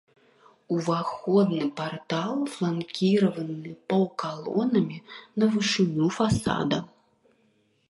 Уваходны партал фланкіраваны паўкалонамі на вышыню фасада.